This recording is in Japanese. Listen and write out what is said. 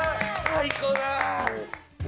最高だ。